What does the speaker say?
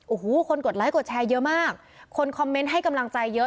โอ้โหคนกดไลคดแชร์เยอะมากคนคอมเมนต์ให้กำลังใจเยอะ